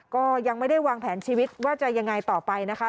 ก็ยังไม่ได้วางแผนชีวิตว่าจะยังไงต่อไปนะคะ